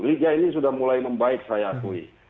liga ini sudah mulai membaik saya akui